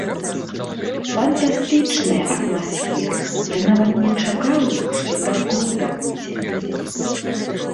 Фантастычная атмасфера, я нават не чакаў, што так крута будзе!